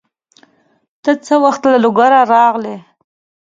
ته څه وخت له لوګره راغلې؟